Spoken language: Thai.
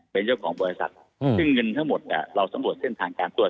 เป็นเจ้าของบริษัทซึ่งเงินทั้งหมดเราสำรวจเส้นทางการตรวจ